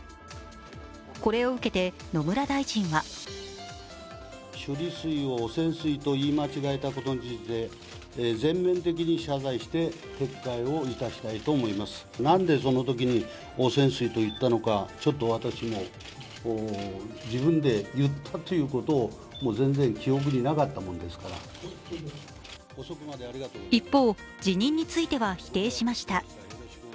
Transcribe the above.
これを受けて野村大臣は一方、辞任については否定しました。